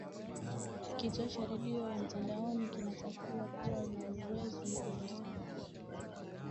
kituo cha redio ya mtandaoni kinatakuwa kuwa na uwezo mkubwa sanas